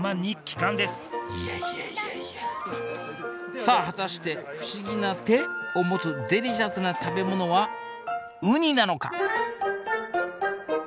いやいやいやいやさあ果たして不思議な手？を持つデリシャスな食べ物はウニなのか？